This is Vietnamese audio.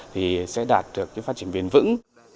thì sẽ đạt được cái phát triển bền vững